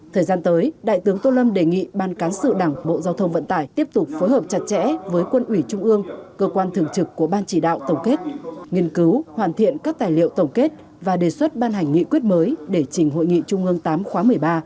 thời gian tới đại tướng tô lâm đề nghị ban cán sự đảng bộ giao thông vận tải tiếp tục phối hợp chặt chẽ với quân ủy trung ương cơ quan thường trực của ban chỉ đạo tổng kết nghiên cứu hoàn thiện các tài liệu tổng kết và đề xuất ban hành nghị quyết mới để trình hội nghị trung ương viii khóa một mươi ba